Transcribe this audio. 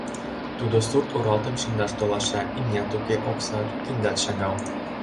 Тудо сурт оралтым шындаш толаша, имнят уке, оксат, киндат шагал.